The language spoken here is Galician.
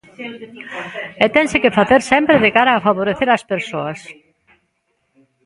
E tense que facer sempre de cara a favorecer as persoas.